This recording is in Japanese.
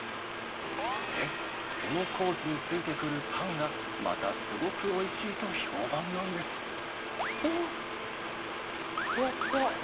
で、そのコースについてくるパンが、またすごくおいしいと評判なんでうわ、ふわふわ。